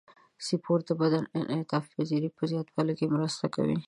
سپورت د بدن د انعطاف پذیرۍ په زیاتولو کې مرسته کوي.